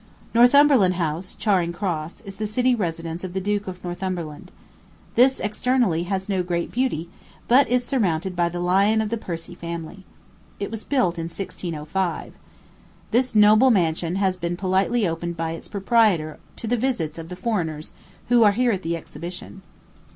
Northumberland House, at Charing Cross, is the city residence of the Duke of Northumberland. This, externally, has no great beauty, but is surmounted by the lion of the Percy family. It was built in 1605. This noble mansion has been politely opened by its proprietor to the visits of the foreigners who are here at the exhibition.